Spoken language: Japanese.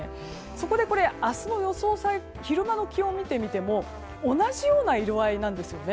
そこで、明日の昼間の気温を見てみても同じような色合いなんですよね。